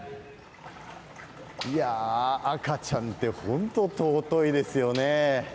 いやあ、赤ちゃんって本当に尊いですよね。